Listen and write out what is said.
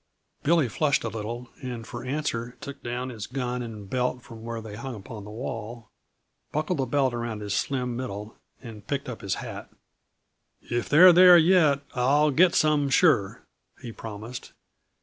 Billy flushed a little, and for answer took down his gun and belt from where they hung upon the wall, buckled the belt around his slim middle and picked up his hat. "If they're there yet, I'll get some, sure," he promised.